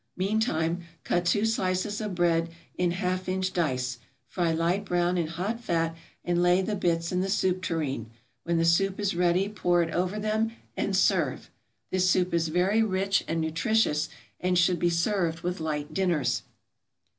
Meantime, cut two slices of bread in half inch dice, fry light brown in hot fat, and lay the bits in the soup tureen; when the soup is ready pour it over them, and serve. This soup is very rich and nutritious, and should be served with light dinners.